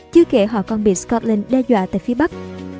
chưa kể họ còn bị scotland đe dọa tại phía bắc